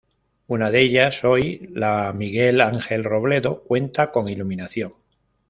Una de ellas, hoy la "Miguel Ángel Robledo" cuenta con iluminación.